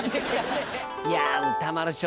いや歌丸師匠